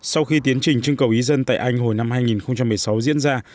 sau khi tiến trình trưng cầu ý dân tại anh hồi năm hai nghìn một mươi sáu diễn ra